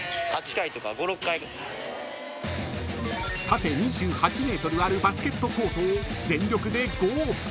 ［縦２８ｍあるバスケットコートを全力で５往復］